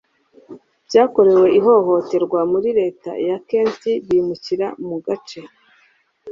byakorewe ihohoterwa muri leta ya kenti bimukira mu gace